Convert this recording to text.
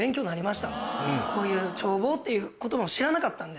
こういう眺望っていうことも知らなかったんで。